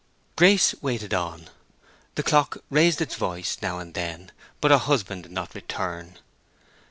Grace waited on. The clock raised its voice now and then, but her husband did not return.